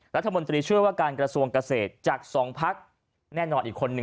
รัฐมนตรีช่วยว่าการกระทรวงเกษตรจาก๒พักแน่นอนอีกคนหนึ่ง